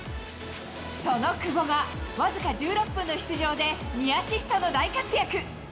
その久保が、僅か１６分の出場で、２アシストの大活躍。